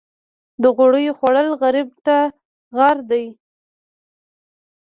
د غوړیو خوړل غریب ته غر دي.